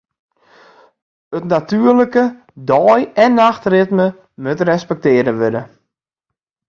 It natuerlike dei- en nachtritme moat respektearre wurde.